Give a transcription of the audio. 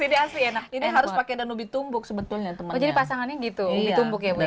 ini harus pakai danubi tumbuk sebetulnya teman jadi pasangannya gitu iya tumbuk ya